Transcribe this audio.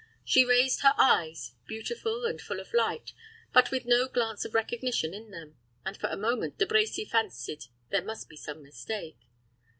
She raised her eyes, beautiful and full of light, but with no glance of recognition in them, and for a moment De Brecy fancied there must be some mistake.